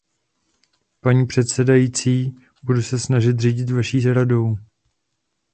Paní předsedající, budu se snažit řídit vaší radou.